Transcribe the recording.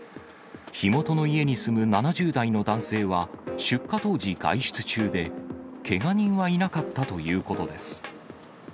火元の家に住む７０代の男性は、出火当時、外出中で、けが人はいなかったということです。